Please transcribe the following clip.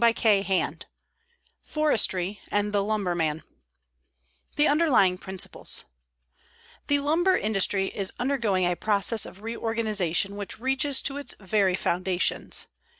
CHAPTER II FORESTRY AND THE LUMBERMAN THE UNDERLYING PRINCIPLES The lumber industry is undergoing a process of reorganization which reaches to its very foundations.